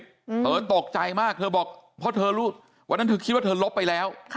เธอตกใจมากเธอบอกเพราะเธอรู้วันนั้นเธอคิดว่าเธอลบไปแล้ว